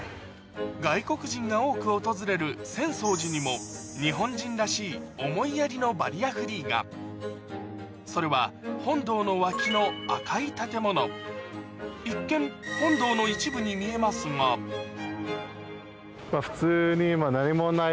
外国人が多く訪れる浅草寺にも日本人らしい思いやりのバリアフリーがそれは本堂の脇の赤い建物一見本堂の一部に見えますが普通に今。